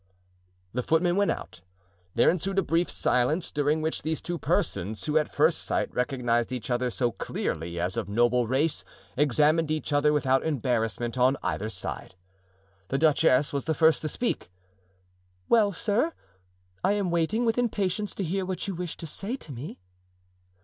The footman went out. There ensued a brief silence, during which these two persons, who at first sight recognized each other so clearly as of noble race, examined each other without embarrassment on either side. The duchess was the first to speak. "Well, sir, I am waiting with impatience to hear what you wish to say to me."